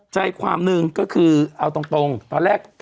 ใจความหนึ่งก็คือเอาตรงตอนแรก